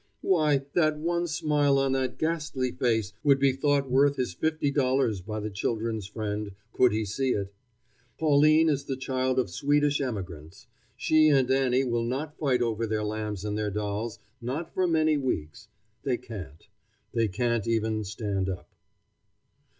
Why, that one smile on that ghastly face would be thought worth his fifty dollars by the children's friend, could he see it. Pauline is the child of Swedish emigrants. She and Annie will not fight over their lambs and their dolls, not for many weeks. They can't. They can't even stand up.